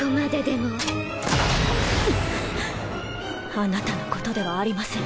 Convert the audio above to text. あなたのことではありません。